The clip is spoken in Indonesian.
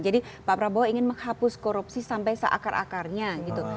jadi pak prabowo ingin menghapus korupsi sampai seakar akarnya gitu